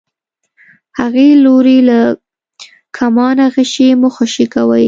هغې لورې له کمانه غشی مه خوشی کوئ.